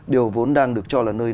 điều vốn đang được cho là nơi